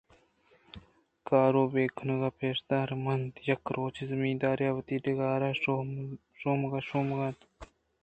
کارءَبِہ کنءُ پیشدار مِنّت یک روچے زمیندارے وتی ڈگارءَ شو مگءَاَت